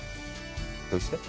どうして？